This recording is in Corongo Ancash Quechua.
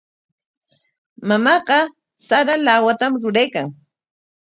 Mamaaqa sara lawatam ruraykan.